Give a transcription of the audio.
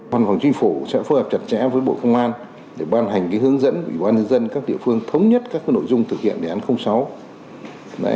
văn phòng chính phủ sẽ phối hợp chặt chẽ với bộ công an để ban hành hướng dẫn của bộ công an các địa phương thống nhất các nội dung thực hiện đề án sáu